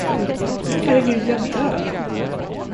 Herregud, jag dör!